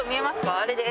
あれです。